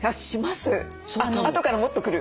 あとからもっと来る！